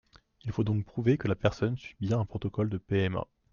Il faut donc prouver que la personne suit bien un protocole de PMA.